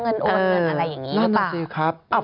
โอนเงินอะไรอย่างนี้หรือเปล่า